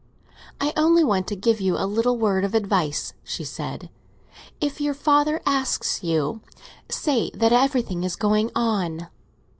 "I only want to give you a little word of advice," she said. "If your father asks you, say that everything is going on."